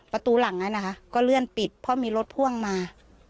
ประตูล่างนะครับก็เลื่อนปิดเพราะมีรถพ่วงมา